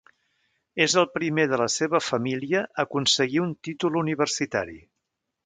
És el primer de la seva família a aconseguir un títol universitari.